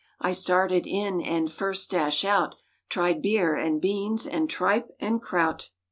I started in, and "first dash out"— Tried beer and beans and tripe and kraut.